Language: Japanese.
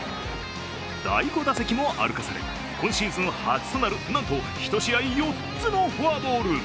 第５打席も歩かされ今シーズン初となるなんと１試合４つのフォアボール。